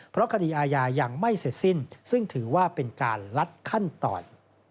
เพราะคดีอาญายังไม่เสร็จสิ้นซึ่งถือว่าเป็นการลัดขั้นตอน